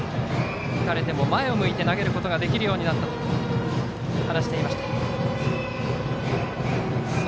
打たれても前を向いて投げることができるようになったと話していました。